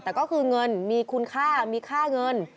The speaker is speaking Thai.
แต่ก็คือเงินมีคุณค่ามีค่าเงิน